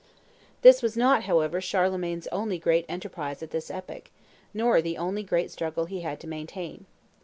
This was not, however, Charlemagne's only great enterprise at this epoch, nor the only great struggle he had to maintain.